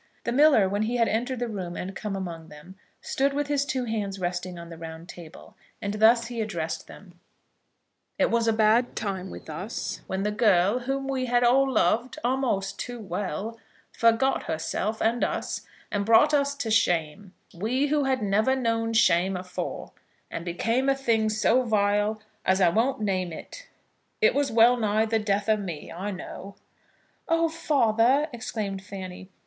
The miller, when he had entered the room and come among them, stood with his two hands resting on the round table, and thus he addressed them: "It was a bad time with us when the girl, whom we had all loved a'most too well, forgot herself and us, and brought us to shame, we who had never known shame afore, and became a thing so vile as I won't name it. It was well nigh the death o' me, I know." "Oh, father!" exclaimed Fanny.